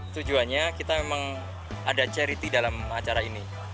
tujuannya kita memang ada charity dalam acara ini